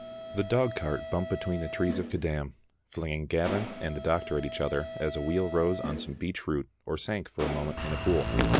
The dog cart bumped between the trees of Caddam, flinging Gavin and the doctor at each other as a wheel rose on some beech root or sank for a moment in a pool.